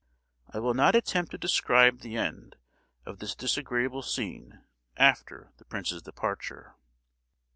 I will not attempt to describe the end of this disagreeable scene, after the prince's departure.